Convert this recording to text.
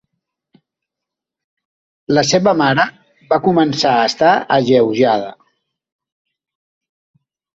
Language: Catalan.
La seva mare va començar a estar alleujada.